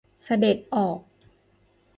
เสด็จออก